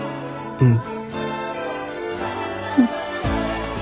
うん。